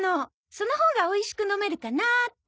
そのほうがおいしく飲めるかなって。